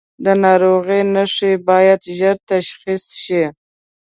د ناروغۍ نښې باید ژر تشخیص شي.